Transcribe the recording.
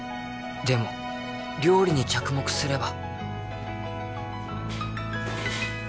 「でも料理に着目すれば」